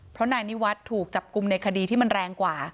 เพราะนายนิวัฒน์ถูกจับกลุ่มในคดีที่มันแรงกว่า